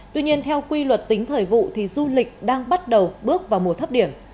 tuy nhiên theo quy luật tính thời vụ thì du lịch đang bắt đầu bước vào mùa thấp điểm